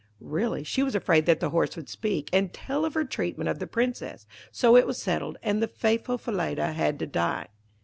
Really, she was afraid that the horse would speak, and tell of her treatment of the Princess. So it was settled, and the faithful Falada had to die.